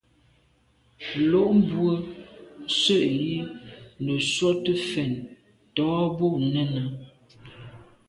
Lo’ mbwe nse’ yi me sote mfèt tô bo nène.